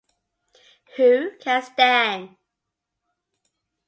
Who can stand?